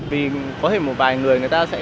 vì có thể một vài người người ta sẽ